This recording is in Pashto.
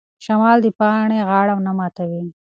شمال د پاڼې غاړه نه ماتوي.